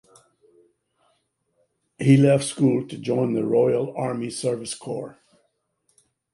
He left school to join the Royal Army Service Corps.